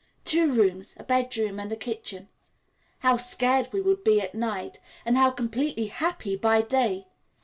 Two rooms a bedroom and a kitchen. How scared we would be at night, and how completely happy by day!